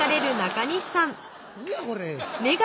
何やこれ。